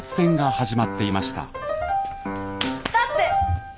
ストップ！